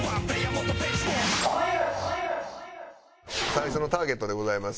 最初のターゲットでございます。